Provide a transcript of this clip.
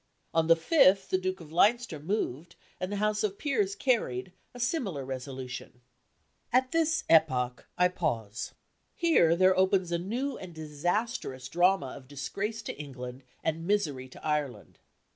" On the 5th the Duke of Leinster moved, and the House of Peers carried, a similar resolution. At this epoch I pause. Here there opens a new and disastrous drama of disgrace to England and misery to Ireland.